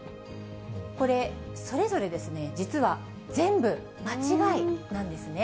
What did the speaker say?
これ、それぞれ実は全部間違いなんですね。